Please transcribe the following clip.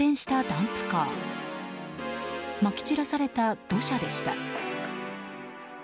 ダンプカーまき散らされた土砂でした。